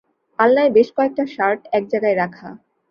আলনায় বেশ কয়েকটা শার্ট এক জায়গায় রাখা।